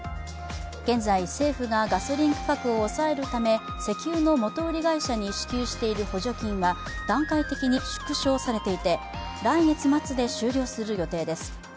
現在、政府がガソリン価格を抑えるため石油の元売り会社に支給している補助金は段階的に縮小されていて来月末で終了する予定です。